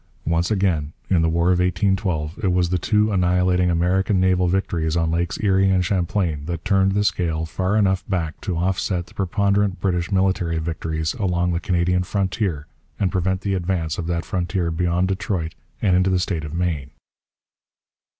Once again, in the War of 1812, it was the two annihilating American naval victories on Lakes Erie and Champlain that turned the scale far enough back to offset the preponderant British military victories along the Canadian frontier and prevent the advance of that frontier beyond Detroit and into the state of Maine.